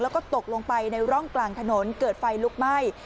แล้วก็ตกลงไปในร่องกลางถนนเกิดไฟลุกไหม้